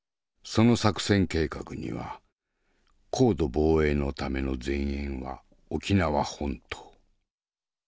その作戦計画には「皇土防衛のための前縁は沖縄本島。